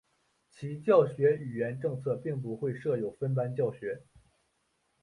其教学语言政策并不会设有分班教学。